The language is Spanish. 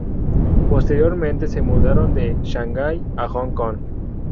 Posteriormente se mudaron de Shanghai a Hong Kong.